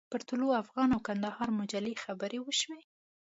پر طلوع افغان او کندهار مجلې خبرې وشوې.